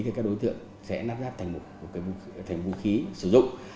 thì các đối tượng sẽ lắp ráp thành vũ khí sử dụng